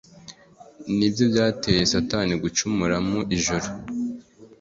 ni byo byateye Satani gucumura mu ijuru